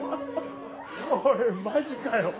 おいマジかよ